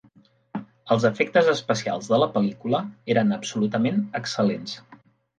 Els efectes especials de la pel·lícula eren absolutament excel·lents.